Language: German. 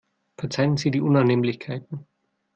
Verzeihen Sie die Unannehmlichkeiten.